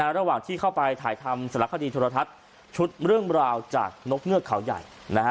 ระหว่างที่เข้าไปถ่ายทำสารคดีโทรทัศน์ชุดเรื่องราวจากนกเงือกเขาใหญ่